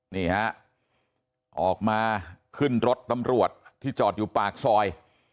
นี่ฮะออกมาขึ้นรถตำรวจที่จอดอยู่ปากซอย